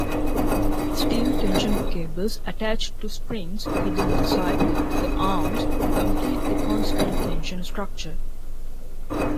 Steel tension cables attached to springs hidden inside the arms complete the constant-tension structure.